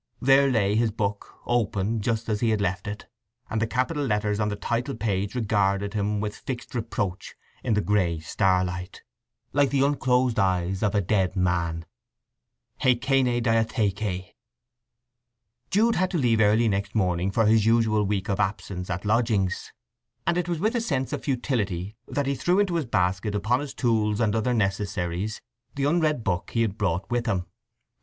There lay his book open, just as he had left it, and the capital letters on the title page regarded him with fixed reproach in the grey starlight, like the unclosed eyes of a dead man: Η ΚΑΙΝΗ ΔΙΑΘΗΚΗ. Jude had to leave early next morning for his usual week of absence at lodgings; and it was with a sense of futility that he threw into his basket upon his tools and other necessaries the unread book he had brought with him.